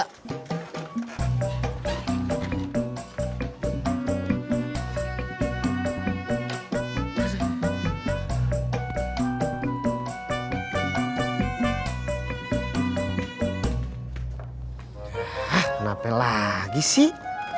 hah kenapa lagi sih